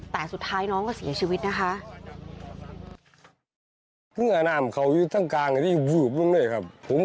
แต่สุดท้ายน้องก็เสียชีวิตนะคะ